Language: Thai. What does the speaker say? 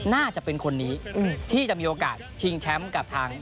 น่าจะเป็นคนนี้ที่จะมีโอกาสชิงแชมป์กับทาง